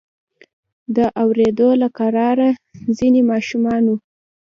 د اوریدو له قراره ځینې ماشومانو.